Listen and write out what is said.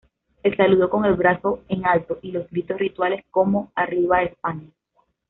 El saludo con el brazo en alto y los gritos rituales, como ¡Arriba España!